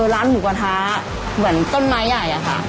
ร้านหมูกระทะเหมือนต้นไม้ใหญ่อะค่ะ